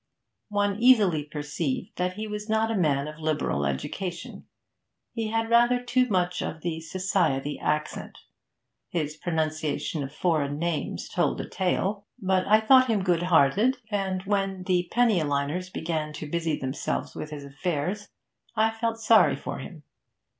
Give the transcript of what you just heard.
One easily perceived that he was not a man of liberal education; he had rather too much of the 'society' accent; his pronunciation of foreign names told a tale. But I thought him good hearted, and when the penny a liners began to busy themselves with his affairs, I felt sorry for him.